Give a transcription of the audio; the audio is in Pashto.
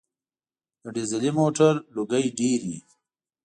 د ډیزلي موټر لوګی ډېر وي.